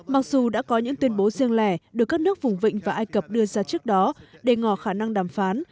mặc dù đã có những tuyên bố riêng lẻ được các nước vùng vịnh và ai cập đưa ra trước đó để ngò khả năng đàm phán